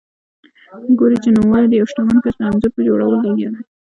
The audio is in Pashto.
ګوري چې نوموړی د یوه شتمن کس د انځور په جوړولو لګیا دی.